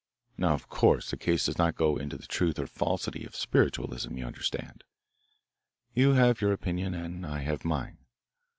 Now, of course, the case does not go into the truth or falsity of spiritualism, you understand. You have your opinion, and I have mine.